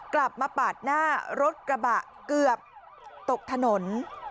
กลับมาปาดหน้ารถกระบะเกือบตกถนน